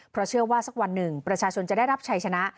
เพราะเชื่อว่าสักวันหนึ่งประชาชนจะได้รับชัยชนะ